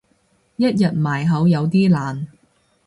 一日埋口有啲難